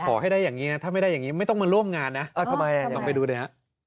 ขอให้ได้อย่างนี้ถ้าไม่ได้ไม่ต้องมาร่วมงานลองไปดูด้วย